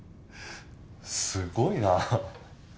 すごいな！